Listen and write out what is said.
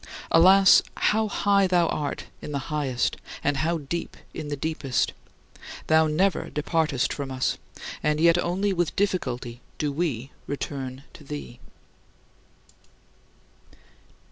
Alas, how high thou art in the highest and how deep in the deepest! Thou never departest from us, and yet only with difficulty do we return to thee.